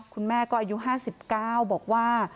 คุณแม่ก็อายุ๕๙บอกว่า